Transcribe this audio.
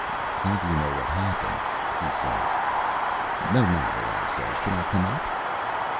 "'How do you know what happened?' he says. "'No matter,' I says; 'can I come up?'